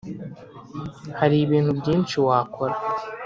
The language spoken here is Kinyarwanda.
hari ibintu byinshi wakora.